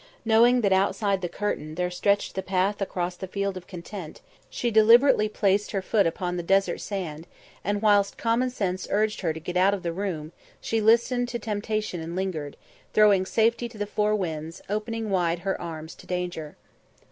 Knowing that outside the curtain there stretched the path across the Field of Content, she deliberately placed her foot upon the desert sand, and whilst common sense urged her to get out of the room, she listened to temptation and lingered, throwing safety to the four winds, opening wide her arms to danger.